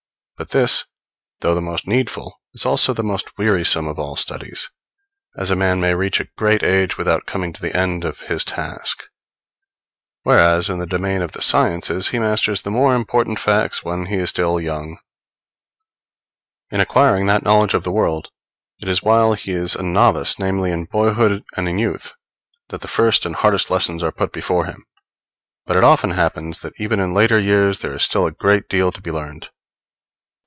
But this, though the most needful, is also the most wearisome of all studies, as a man may reach a great age without coming to the end of his task; whereas, in the domain of the sciences, he masters the more important facts when he is still young. In acquiring that knowledge of the world, it is while he is a novice, namely, in boyhood and in youth, that the first and hardest lessons are put before him; but it often happens that even in later years there is still a great deal to be learned.